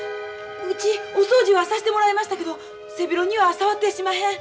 うちお掃除はさしてもらいましたけど背広には触ってやしまへん。